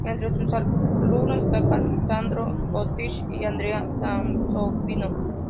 Entre sus alumnos destacan Sandro Botticelli y Andrea Sansovino.